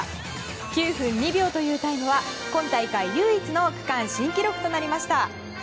９分２秒というタイムは今大会唯一の区間新記録となりました。